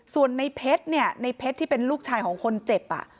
ส่วนนายเพชรที่เป็นลูกชายของคนเจ็บ